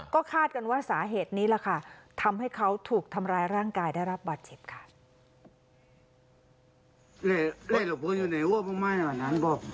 ก็คาดกันว่าสาเหตุนี้แหละค่ะทำให้เขาถูกทำร้ายร่างกายได้รับบาดเจ็บค่ะ